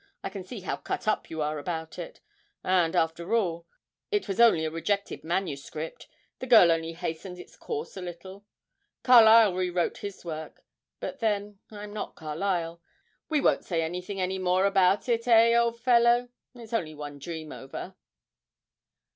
I can see how cut up you are about it; and, after all, it it was only a rejected manuscript the girl only hastened its course a little. Carlyle rewrote his work; but then I'm not Carlyle. We won't say anything any more about it, eh, old fellow? It's only one dream over.'